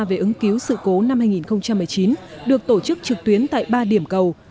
về ứng cứu sự cố năm hai nghìn một mươi chín được tổ chức trực tuyến tại ba điểm cầu